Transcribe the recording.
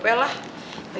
boleh lihat eh